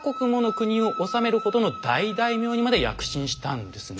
国を治めるほどの大大名にまで躍進したんですね。